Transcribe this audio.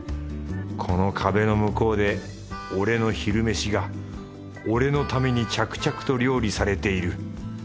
この壁の向こうで俺の昼飯が俺のために着々と料理されている。